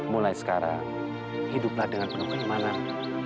mulai sekarang hiduplah dengan penuh keimanan